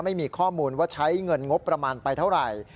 ไม่มีข้อมูลว่าใช้เงินงบประมาณไปเท่าไหร่